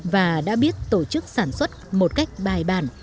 và đã biết tổ chức sản xuất một cách bài bản